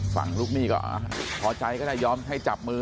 ฝั่งลูกหนี้ก็พอใจก็ได้ยอมให้จับมือ